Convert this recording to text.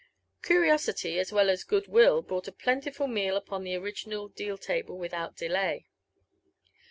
Curiosity as well as good will brought a plentiful meal upon the original deal table without delay.